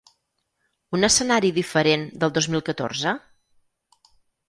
Un escenari diferent del dos mil catorze?